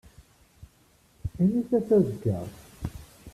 Init-as azekka.